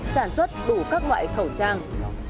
sản xuất đủ các loại khẩu trang